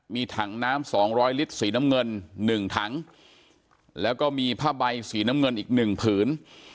มีถังน้ำ๒๐๐ลิตรสีน้ำเงิน๑ถังแล้วก็มีผ้าใบสีน้ำเงินอีกหนึ่งผืน